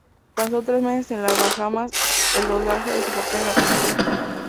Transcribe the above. Pasó tres meses en las Bahamas el rodaje de su papel en la película.